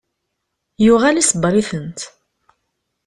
Yuɣal isebbeṛ-itent.